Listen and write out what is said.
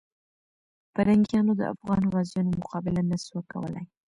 پرنګیانو د افغان غازیانو مقابله نسو کولای.